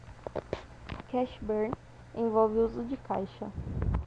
Cash Burn envolve o uso de caixa.